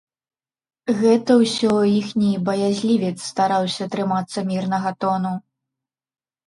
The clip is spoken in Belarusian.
Гэта ўсё іхні баязлівец стараўся трымацца мірнага тону.